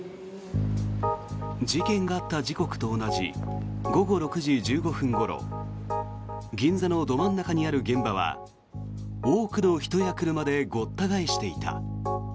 事件があった時刻と同じ午後６時１５分ごろ銀座のど真ん中にある現場は多くの人や車でごった返していた。